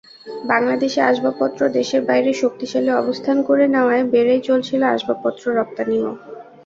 বাংলাদেশি আসবাবপত্র দেশের বাইরে শক্তিশালী অবস্থান করে নেওয়ায় বেড়েই চলছিল আসবাবপত্র রপ্তানিও।